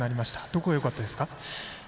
どこがよかったですか？